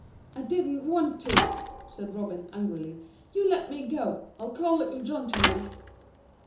"I didn't want to," said Robin angrily. "You let me go. I'll call Little John to you."